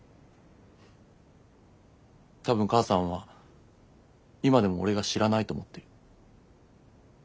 多分母さんは今でも俺が知らないと思ってる。